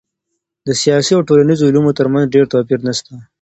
د سیاسي او ټولنیزو علومو ترمنځ ډېر توپیر نسته.